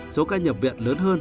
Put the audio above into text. số ca nhập viện lớn hơn